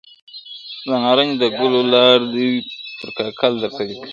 • د نارنج د ګلو لاړ دي پر کاکل درته لیکمه -